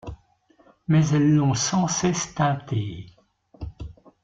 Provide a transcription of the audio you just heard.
Mais elles l’ont sans cesse teintée.